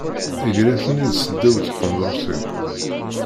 Iger-iten-id seddaw n tqendurt-iw.